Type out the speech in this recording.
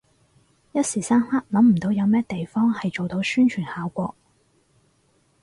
一時三刻諗唔到有咩地方係做到宣傳效果